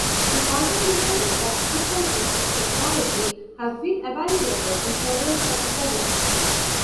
The contributions of differences of technology have been evaluated in several such studies.